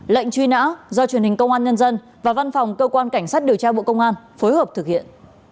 lệnh truy nã do truyền hình công an nhân dân và văn phòng cơ quan cảnh sát điều tra bộ công an phối hợp thực hiện